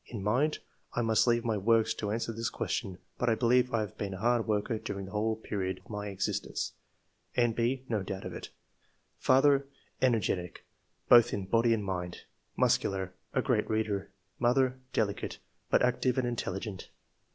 In mind — I must leave my works to answer this question ; but I believe I have been a hard worker during the whole period of my existence. [N.B. No doubt of it.] " Father — Energetic, both in body and mind ; muscular ; a great reader. Mother — Delicate, but active and intelligent."